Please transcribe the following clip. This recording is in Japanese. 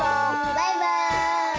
バイバイ！